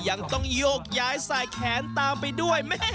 ยังต้องโยกย้ายสายแขนตามไปด้วย